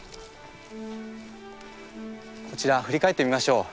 こちら振り返ってみましょう。